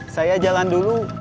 saya jalan dulu